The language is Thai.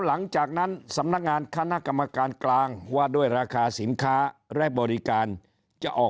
หลังจากนั้นสำนักงานคณะกรรมการกลางว่าด้วยราคาสินค้าและบริการจะออก